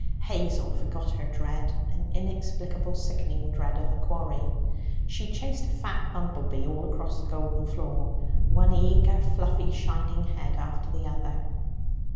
Hazel forgot her dread an inexplicable sickening dread of the quarry. She chased a fat bumble bee all across the golden floor one eager, fluffy, shining head after the other.